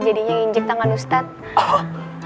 jadinya nginjek tangan ustadz